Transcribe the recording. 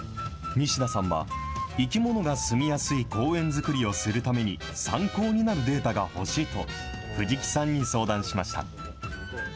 西田さんは、生き物が住みやすい公園づくりをするために、参考になるデータが欲しいと、藤木さんに相談しました。